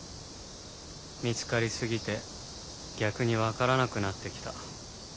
見つかりすぎて逆に分からなくなってきた。